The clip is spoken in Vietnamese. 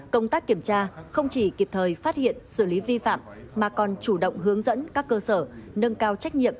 công tác kiểm tra không chỉ kịp thời phát hiện xử lý vi phạm mà còn chủ động hướng dẫn các cơ sở nâng cao trách nhiệm